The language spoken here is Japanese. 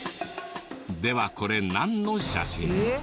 ではこれなんの写真？